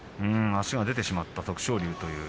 足が出てしまった、徳勝龍。